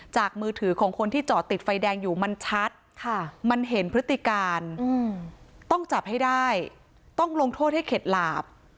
มือถือของคนที่จอดติดไฟแดงอยู่มันชัดมันเห็นพฤติการต้องจับให้ได้ต้องลงโทษให้เข็ดหลาบ